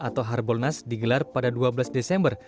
atau harbolnas digelar pada dua belas desember